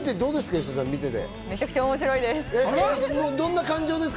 芳根さん、めちゃくちゃ面白いです。